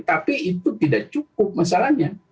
tapi itu tidak cukup masalahnya